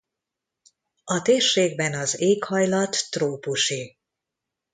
A térségben az éghajlat trópusi.